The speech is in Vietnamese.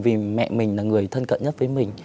vì mẹ mình là người thân cận nhất với mình